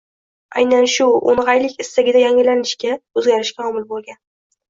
Aynan shu “o‘ng‘aylik” istagida yangilanishga, o‘zgarishga omil bo‘lgan